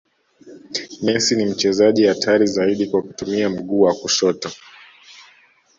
messi ni mchezaji hatari zaidi kwa kutumia mguu wa kushoto